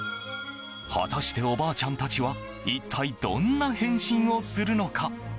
果たして、おばあちゃんたちは一体どんな変身をするのか？